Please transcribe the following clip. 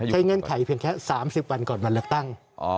เงื่อนไขเพียงแค่๓๐วันก่อนวันเลือกตั้ง